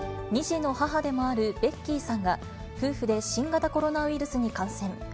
２児の母でもあるベッキーさんが、夫婦で新型コロナウイルスに感染。